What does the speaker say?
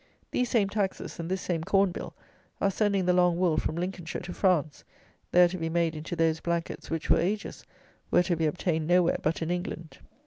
These same taxes and this same Corn bill are sending the long wool from Lincolnshire to France, there to be made into those blankets which, for ages, were to be obtained nowhere but in England.